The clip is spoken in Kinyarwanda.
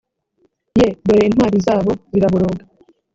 ye dore intwari zabo ziraboroga